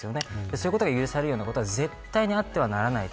そういうことが許されるようなことは絶対にあってはなりません。